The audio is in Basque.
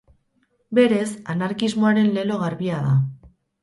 Berez, anarkismoaren lelo garbia da.